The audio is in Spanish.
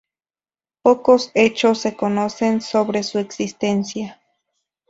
Pocos hecho se conocen sobre su existencia.